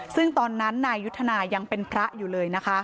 ซึ่งตอนนั้นนายยุทธนายังเป็นพระอยู่เลยนะคะ